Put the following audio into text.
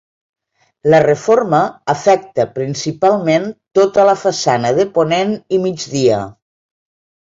La reforma afecta principalment tota la façana de ponent i migdia.